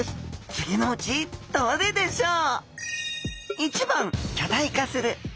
次のうちどれでしょう？